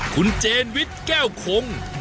คุณเจนวิทย์แก้วคง